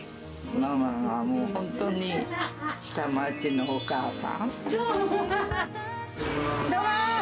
ママはもう、本当に下町のお母さどうも。